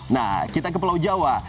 nah kita ke pulau jawa